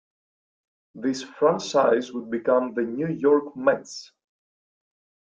This franchise would become the New York Mets.